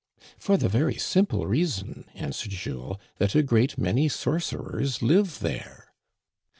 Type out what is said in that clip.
" For the very simple reason," answered Jules, that a great many sorcerers live there."